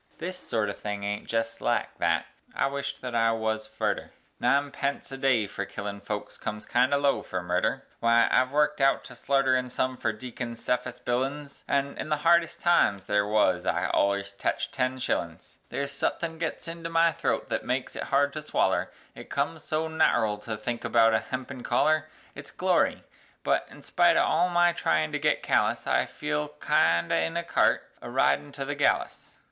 This sort o' thing aint jest like thet I wished thet I wuz furder Nimepunce a day fer killin' folks comes kind o' low for murder (Wy I've worked out to slarterin' some fer Deacon Cephas Billins, An' in the hardest times there wuz I ollers teched ten shillins), There's sutthin' gits into my throat thet makes it hard to swaller, It comes so nateral to think about a hempen collar; It's glory but, in spite o' all my tryin' to git callous, I feel a kind o' in a cart, aridin' to the gallus.